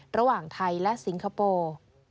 ระหว่างไทยและสิงคโปร์